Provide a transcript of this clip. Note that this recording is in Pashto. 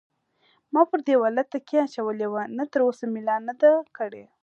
ما پر دېواله تکیه اچولې وه، نه تراوسه مې لا نه دی کړی.